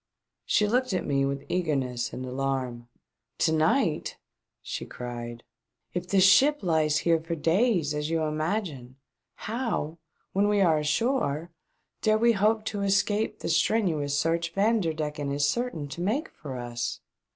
She looked at me with eagerness and alarm. "To night !" she cried. "If this ship lies here for days, as you imagine, how, when we are ashore, dare we hope to escape the strenuous search Vanderdecken is certain to make for us